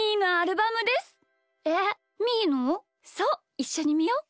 いっしょにみよう！